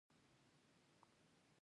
هغه د خپلې ځالې په لټه کې و.